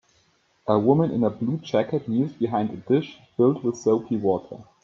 A woman in a blue jacket kneels behind a dish filled with soapy water.